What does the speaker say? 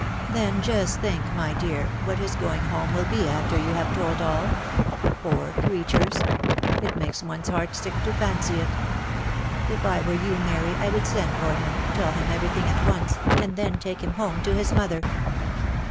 Then just think, my dear, what his going home will be after you have told all ! Poor creatures ! It makes one's heart sick to fancy it ! If I were you, Mary, I would send for him, tell him every thing at once, and then take him home to his mother."